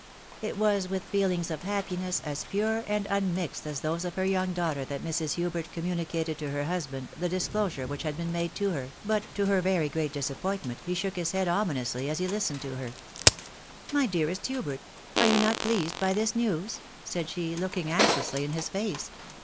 It was with feelings of happiness as pure and unmixed as those of her young daughter, that Mrs. Hubert communicated to her husband the disclosure which had been made to her ; but to her very great disappointment, he shook his head ominously as he hstened to her. " My dearest Hubert ! Are you not pleased by this iiews ?" Baid she, looking anxiously in his face.